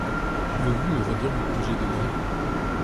pouvez-vous me redire vos congés de Noël ?